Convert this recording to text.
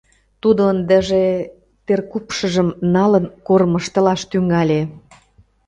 Тудо ындыже теркупшыжым налын кормыжтылаш тӱҥале.